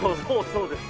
そうですね。